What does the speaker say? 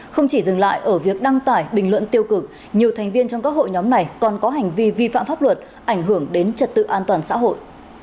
không chỉ dừng lại ở việc đăng tải bình luận tiêu cực nhiều thành viên trong các hội nhóm này còn có hành vi vi phạm pháp luật ảnh hưởng đến trật tự an toàn xã hội